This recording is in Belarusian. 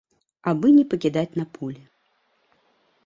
Абы не пакідаць на полі.